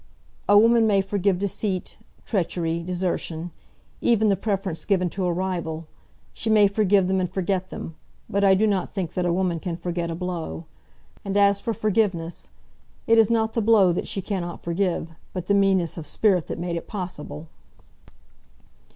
A woman may forgive deceit, treachery, desertion, even the preference given to a rival. She may forgive them and forget them; but I do not think that a woman can forget a blow. And as for forgiveness, it is not the blow that she cannot forgive, but the meanness of spirit that made it possible.